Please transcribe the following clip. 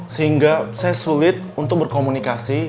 sehingga saya sulit untuk berkomunikasi